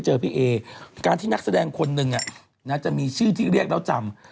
อย่างคนหนึ่งจะมีชื่อที่เรียกแล้วจำ